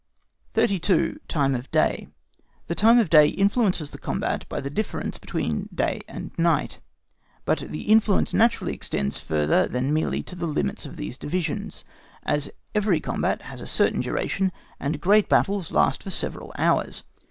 32. TIME OF DAY. The time of day influences the combat by the difference between day and night; but the influence naturally extends further than merely to the limits of these divisions, as every combat has a certain duration, and great battles last for several hours.